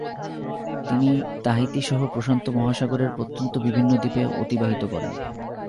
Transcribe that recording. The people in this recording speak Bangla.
তিনি তাহিতি সহ প্রশান্ত মহাসাগরের প্রত্যন্ত বিভিন্ন দ্বীপে অতিবাহিত করেন।